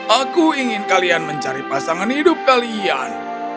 aku ingin kalian mencari pasangan hidup kalian